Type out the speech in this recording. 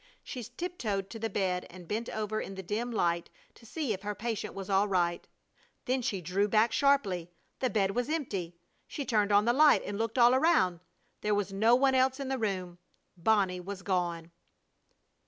She tiptoed to the bed and bent over in the dim light to see if her patient was all right. Then she drew back sharply. The bed was empty! She turned on the light and looked all around. There was no one else in the room! Bonnie was gone!